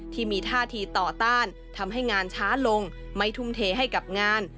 ที่มีท่าทีต่อต้านทำให้งานช้าลงไม่ทุ่มเทให้กับงาน